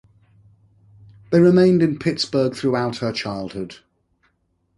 They remained in Pittsburgh throughout her childhood.